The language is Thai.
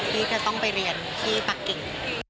ที่จะต้องไปเรียนที่ปักกิ่ง